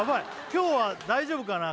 今日は大丈夫かな